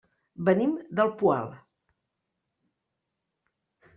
Venim del Poal.